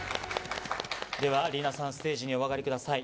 では、梨菜さん、ステージにお上がりください。